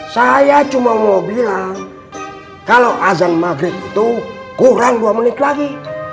saya cuma mau bilang kalau azan maghrib itu kurang dua menit lagi